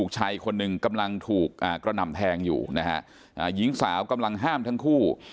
คนหนึ่งกำลังถูกกระหน่ำแทงอยู่นะฮะหญิงสาวกำลังห้ามทั้งคู่